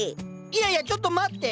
いやいやちょっと待って！